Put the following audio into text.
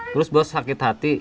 terus bos sakit hati